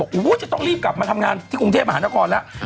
บอกอู่๊ยจะต้องรีบกลับมาทำงานที่กรุงเทพฯอาหารนครแล้ว